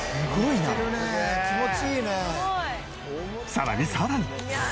さらにさらに。